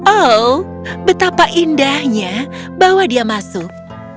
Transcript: oh betapa indahnya bawa dia masuk